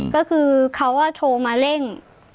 ก็คือเขาโทรมาเร่ง